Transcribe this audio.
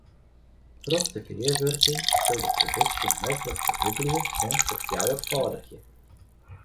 Troch de gearwurking sil de produksje mooglik ferdûbelje oant ferfjouwerfâldigje.